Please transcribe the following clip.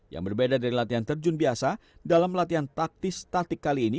yang berbeda dari latihan terjun biasa dalam latihan taktis statik kali ini